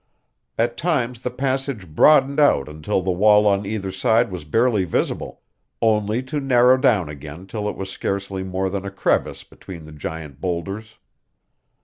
At times the passage broadened out until the wall on either side was barely visible, only to narrow down again till it was scarcely more than a crevice between the giant boulders.